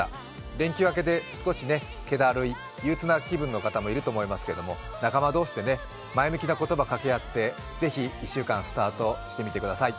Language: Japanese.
連休明けで少しけだるい憂鬱な気分の人もいるかもしれませんが仲間同士で前向きな言葉をかけ合ってぜひ１週間スタートしてみてください。